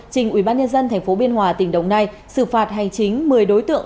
trình ubnd tp biên hòa tỉnh đồng nai xử phạt hành chính một mươi đối tượng